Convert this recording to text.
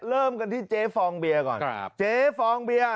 เริ่มกันที่เจ๊ฟองเบียก่อนเจ๊ฟองเบียร์